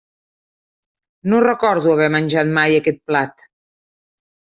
No recordo haver menjat mai aquest plat.